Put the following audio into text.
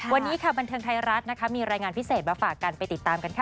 วันนี้ค่ะบันเทิงไทยรัฐนะคะมีรายงานพิเศษมาฝากกันไปติดตามกันค่ะ